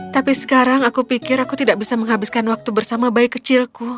tapi sekarang aku pikir aku tidak bisa menghabiskan waktu bersama bayi kecilku